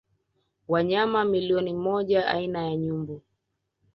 Wanyama milioni moja aina ya nyumbu